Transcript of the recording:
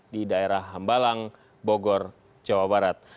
di daerah hambalang bogor jawa barat